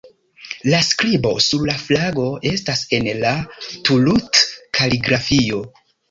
La skribo sur la flago estas en la Thuluth-kaligrafio.